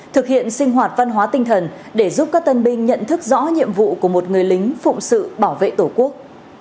thực hiện sinh hoạt văn hóa tinh thần để giúp các tân binh nhận thức rõ nhiệm vụ của một người lính phụng sự bảo vệ tổ quốc